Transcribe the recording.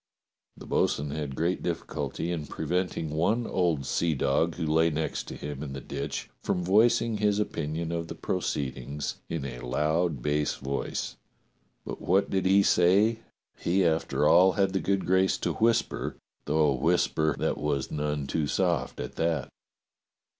^ The bo'sun had great difficulty in preventing one old seadog who lay next him in the ditch from voicing his opinion of the proceedings in a loud bass voice, but what he did say he after all had the good grace to whis per, though a whisper that was none too soft at that.